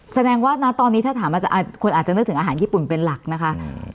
แสดงว่านะตอนนี้ถ้าถามอาจารย์คนอาจจะนึกถึงอาหารญี่ปุ่นเป็นหลักนะคะ